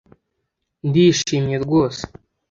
Ndishimye rwose